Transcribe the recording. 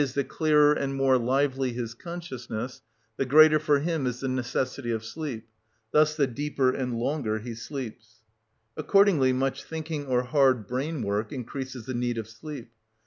_, the clearer and more lively his consciousness, the greater for him is the necessity of sleep, thus the deeper and longer he sleeps. Accordingly much thinking or hard brain work increases the need of sleep.